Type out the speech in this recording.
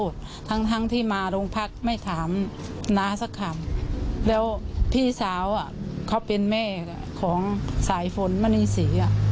สาวเขาเป็นแม่ของสายฝนมณีศรี